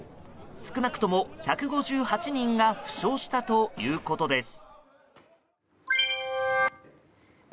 少なくとも１５８人が負傷したということです。